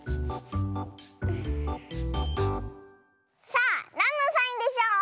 さあなんのサインでしょう？